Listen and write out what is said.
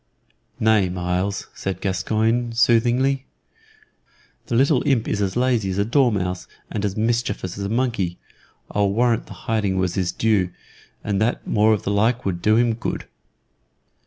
"Nay, Myles," said Gascoyne, soothingly, "the little imp is as lazy as a dormouse and as mischievous as a monkey. I'll warrant the hiding was his due, and that more of the like would do him good."